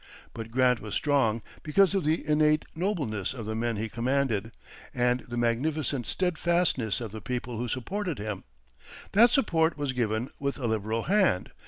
But Grant was strong because of the innate nobleness of the men he commanded, and the magnificent steadfastness of the people who supported him. That support was given with a liberal hand.